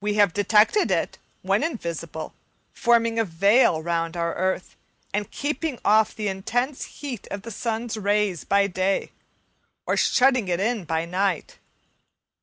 We have detected it, when invisible, forming a veil round our earth, and keeping off the intense heat of the sun's rays by day, or shutting it in by night.